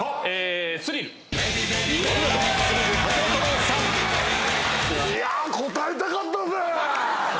『スリル』いや答えたかったぜ。